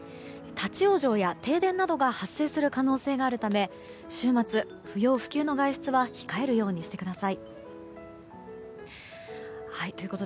立ち往生や停電などが発生する可能性があるため週末、不要不急の外出は控えるようにしてください。